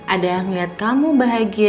ada yang ngeliat kamu bahagia